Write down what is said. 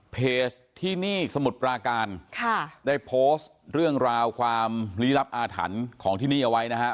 เพจที่นี่สมุทรปราการค่ะได้โพสต์เรื่องราวความลี้ลับอาถรรพ์ของที่นี่เอาไว้นะฮะ